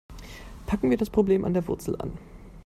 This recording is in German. Packen wir das Problem an der Wurzel an.